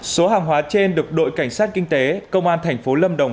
số hàng hóa trên được đội cảnh sát kinh tế công an thành phố lâm đồng